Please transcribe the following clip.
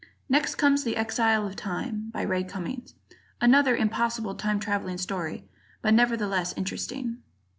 Next comes "The Exile of Time," by Ray Cummings, another impossible time traveling story, but nevertheless interesting.